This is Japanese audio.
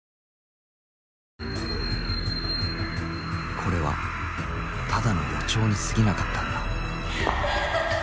これはただの予兆にすぎなかったんだ。